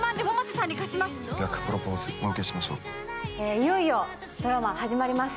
いよいよドラマ始まります。